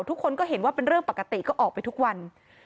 ทุกคนก็เห็นว่าเป็นเรื่องปกติก็ออกไปทุกวัน